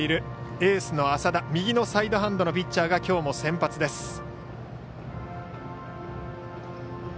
右のサイドハンドのピッチャーがきょうも先発です。